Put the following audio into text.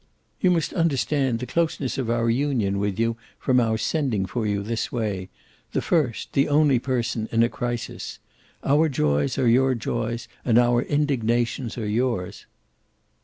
"You must understand the closeness of our union with you from our sending for you this way the first, the only person in a crisis. Our joys are your joys and our indignations are yours."